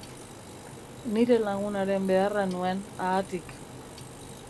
Nire lagunaren beharra nuen, haatik.